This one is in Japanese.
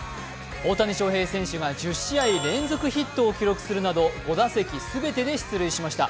大谷翔平選手が１０試合連続ヒットを記録するなど５打席全てで出塁しました。